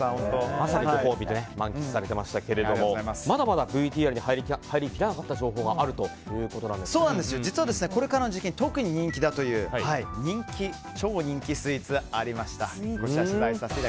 まさにご褒美満喫されていましたがまだまだＶＴＲに入りきらなかった情報がこれからの時期に特に人気だという超人気スイーツありました。